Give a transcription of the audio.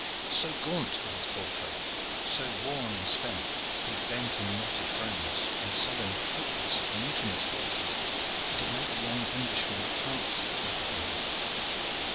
So gaunt were these poor folk, so worn and spent with bent and knotted frames, and sullen, hopeless, mutinous faces that it made the young Englishman heart sick to look upon them.